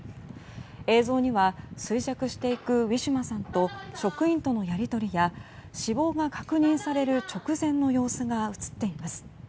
映像には衰弱していくウィシュマさんと職員とのやり取りや死亡が確認される直前の様子が映っています。